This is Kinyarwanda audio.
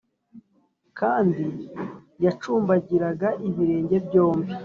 kandi yacumbagiraga ibirenge byombi.